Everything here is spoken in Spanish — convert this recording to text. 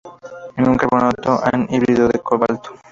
Es un carbonato anhidro de cobalto.